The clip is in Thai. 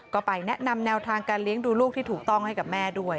ก็ไปแนะนำแนวทางการเลี้ยงดูลูกที่ถูกต้องให้กับแม่ด้วย